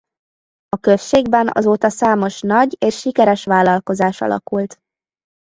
A községben azóta számos nagy és sikeres vállalkozás alakult.